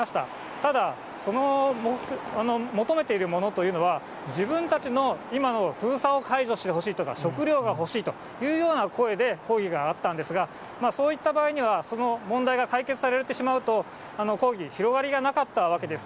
ただ、その求めているというのは、自分たちの今の封鎖を解除してほしいとか、食料が欲しいというような声で、抗議が上がったんですが、そういった場合には、その問題が解決されてしまうと、抗議、広がりがなかったわけです。